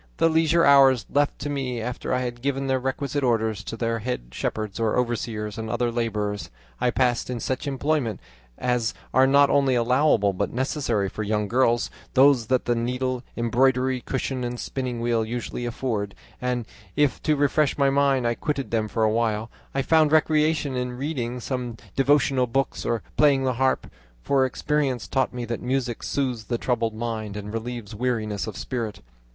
The leisure hours left to me after I had given the requisite orders to the head shepherds, overseers, and other labourers, I passed in such employments as are not only allowable but necessary for young girls, those that the needle, embroidery cushion, and spinning wheel usually afford, and if to refresh my mind I quitted them for a while, I found recreation in reading some devotional book or playing the harp, for experience taught me that music soothes the troubled mind and relieves weariness of spirit.